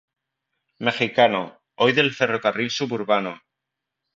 Mexicano, hoy del ferrocarril suburbano.